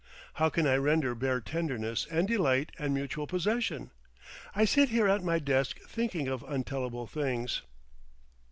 How can I render bare tenderness and delight and mutual possession? I sit here at my desk thinking of untellable things.